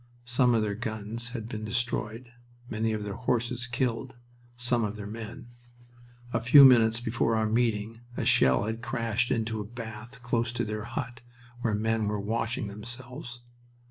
Some of their guns had been destroyed, many of their horses killed; some of their men. A few minutes before our meeting a shell had crashed into a bath close to their hut, where men were washing themselves.